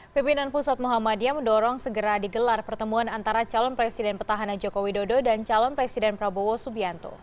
pimpinan pusat muhammadiyah mendorong segera digelar pertemuan antara calon presiden petahana joko widodo dan calon presiden prabowo subianto